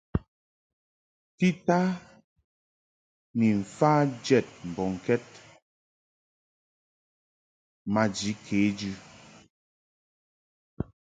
Tita ni mfa jɛd mbɔŋkɛd maji kejɨ.